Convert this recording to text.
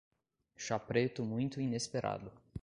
Chá preto muito inesperado